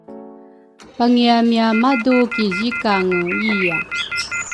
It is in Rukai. pangiamia madu ki zikange iya